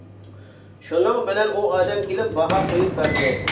شۇنىڭ بىلەن ئۇ ئادەم كېلىپ باھا قويۇپ بەردى.